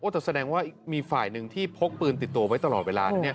แต่แสดงว่ามีฝ่ายหนึ่งที่พกปืนติดตัวไว้ตลอดเวลา